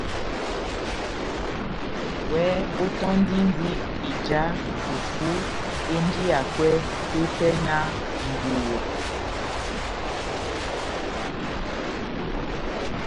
Iwɛ ótɔndindi ija fufú enjiyakwɛ tepɛhɛ náh mʼbuwa